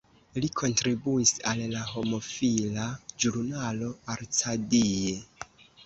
Li kontribuis al la homofila ĵurnalo "Arcadie".